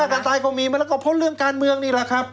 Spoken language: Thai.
การตายก็มีมาแล้วก็เพราะเรื่องการเมืองนี่แหละครับ